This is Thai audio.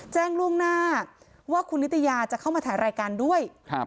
แจ้งล่วงหน้าว่าคุณนิตยาจะเข้ามาถ่ายรายการด้วย